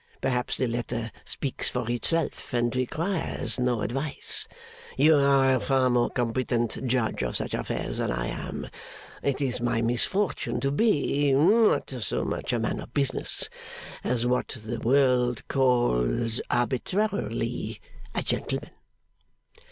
Perhaps the letter speaks for itself, and requires no advice. You are a far more competent judge of such affairs than I am. It is my misfortune to be, not so much a man of business, as what the world calls (arbitrarily) a gentleman.